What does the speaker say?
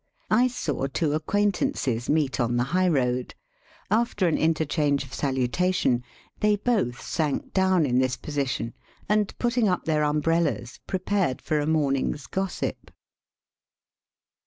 I saw two acquaintances meet on the high road. After an interchange of salutation, they both sank down in this position, and, putting up their umbrellas, pre pared for a morning's gossip.